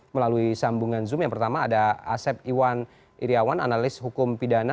melalui sambungan zoom yang pertama ada asep iwan iryawan analis hukum pidana